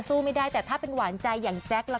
สู้ไม่ได้แต่ถ้าเป็นหวานใจอย่างแจ๊คล่ะ